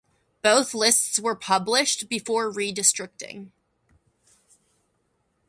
Both lists were published before redistricting.